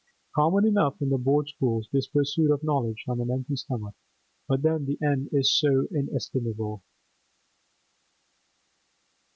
Common enough in the Board schools, this pursuit of knowledge on an empty stomach. But then the end is so inestimable!